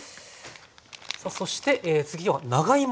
さあそして次は長芋。